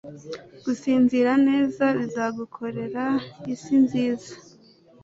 Gusinzira neza bizagukorera isi nziza